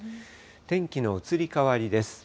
天気の移り変わりです。